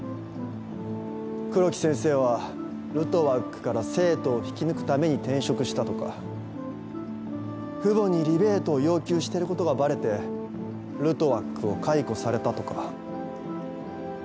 黒木先生はルトワックから生徒を引き抜くために転職したとか父母にリベートを要求してることがバレてルトワックを解雇されたとか。